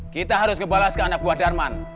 kita harus kebalas ke anak buah darman